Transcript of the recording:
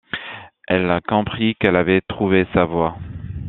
Elle comprit qu'elle avait trouvé sa voie.